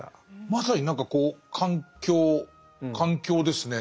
まさに何かこう環境環境ですね。